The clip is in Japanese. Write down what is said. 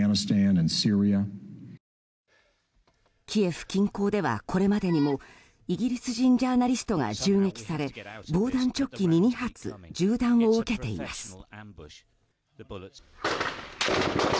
キエフ近郊ではこれまでにもイギリス人ジャーナリストが銃撃され防弾チョッキに２発銃弾を受けています。